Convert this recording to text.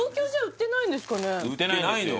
売ってないんですよ